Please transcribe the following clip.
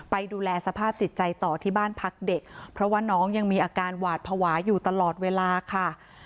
ไปดูแลสภาพจิตใจต่อที่บ้านพักเด็กเพราะว่าน้องยังมีอาการหวาดภาวะอยู่ตลอดเวลาค่ะ